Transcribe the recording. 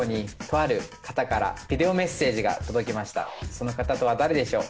その方とは誰でしょう？